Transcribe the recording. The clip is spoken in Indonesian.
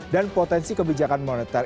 dan potensi kebijakan moneter